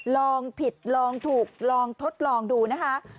ลองผิดลองถูกลองทดลองดูนะคะ